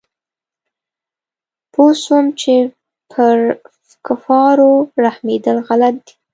پوه سوم چې پر کفارو رحمېدل غلط دي.